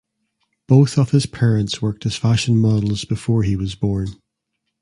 Both of his parents worked as fashion models before he was born.